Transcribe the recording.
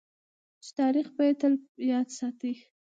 چې تاریخ به یې تل یاد ساتي.